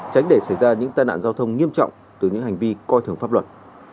tránh để xảy ra những tai nạn giao thông nghiêm trọng từ những hành vi coi thường pháp luật